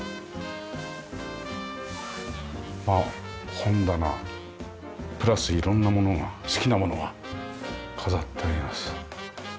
本棚プラス色んなものが好きなものが飾ってあります。